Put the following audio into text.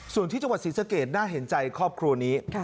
ส่วนที่จังหวัดศรีสะเกดน่าเห็นใจครอบครัวนี้